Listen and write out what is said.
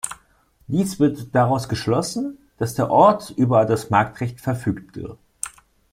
Dies wird daraus geschlossen, dass der Ort über das Marktrecht verfügte.